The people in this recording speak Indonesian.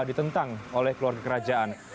ditentang oleh keluarga kerajaan